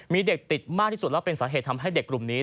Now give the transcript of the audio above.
มีเด็กติดมากที่สุดแล้วเป็นสาเหตุทำให้เด็กกลุ่มนี้